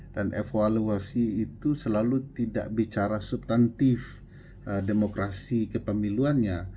dan evaluasi itu selalu tidak bicara substantif demokrasi kepemiluannya